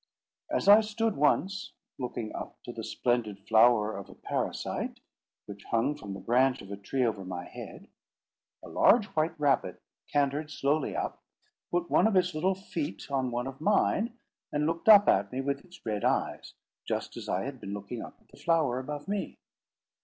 As I stood once, looking up to the splendid flower of a parasite, which hung from the branch of a tree over my head, a large white rabbit cantered slowly up, put one of its little feet on one of mine, and looked up at me with its red eyes, just as I had been looking up at the flower above me.